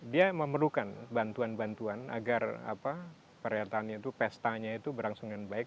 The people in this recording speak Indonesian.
dia memerlukan bantuan bantuan agar perayaannya itu pestanya itu berlangsung dengan baik